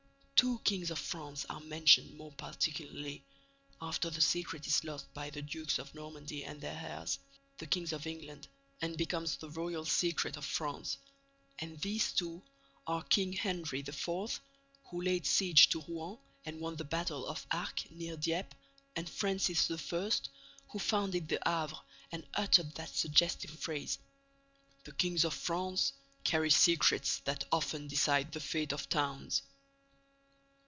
Two kings of France are mentioned more particularly, after the secret is lost by the Dukes of Normandy and their heirs, the kings of England, and becomes the royal secret of France; and these two are King Henry IV., who laid siege to Rouen and won the battle of Arques, near Dieppe, and Francis I., who founded the Havre and uttered that suggestive phrase: "The kings of France carry secrets that often decide the fate of towns!"